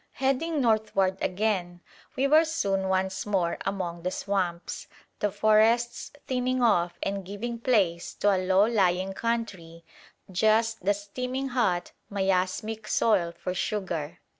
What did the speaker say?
Heading northward again, we were soon once more among the swamps, the forests thinning off and giving place to a low lying country, just the steaming hot, miasmic soil for sugar.